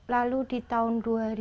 lalu di tahun dua ribu lima belas